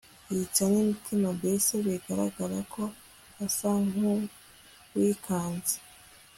yitsa nimitima mbese bigararaga ko asa nkuwikanze